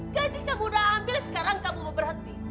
gaji kamu udah ambil sekarang kamu mau berhenti